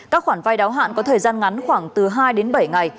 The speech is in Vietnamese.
các khoản vay đáo hạn có thời gian ngắn khoảng từ hai đến bảy ngày